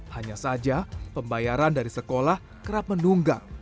hanya saja pembayaran dari sekolah kerap menunggak